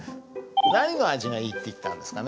何の味がいいって言ったんですかね？